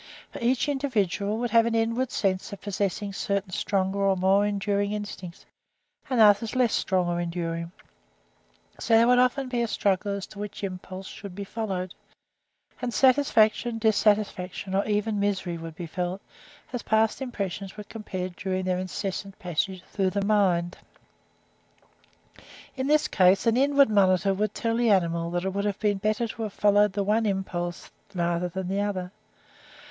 For each individual would have an inward sense of possessing certain stronger or more enduring instincts, and others less strong or enduring; so that there would often be a struggle as to which impulse should be followed; and satisfaction, dissatisfaction, or even misery would be felt, as past impressions were compared during their incessant passage through the mind. In this case an inward monitor would tell the animal that it would have been better to have followed the one impulse rather than the other.